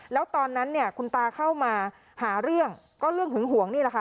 แล้วตอนนั้นเนี่ยคุณตาเข้ามาหาเรื่องก็เรื่องหึงหวงนี่แหละค่ะ